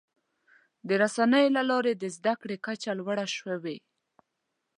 د رسنیو له لارې د زدهکړې کچه لوړه شوې.